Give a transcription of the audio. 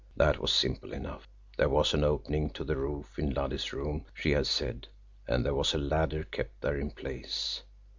That was simple enough there was an opening to the roof in Luddy's room, she had said, and there was a ladder kept there in place.